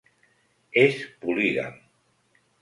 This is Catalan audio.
És polígam.